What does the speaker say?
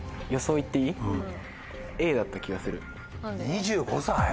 ２５歳？